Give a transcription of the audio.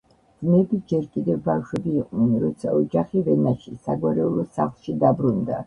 ძმები ჯერ კიდევ ბავშვები იყვნენ, როცა ოჯახი ვენაში, საგვარეულო სახლში დაბრუნდა.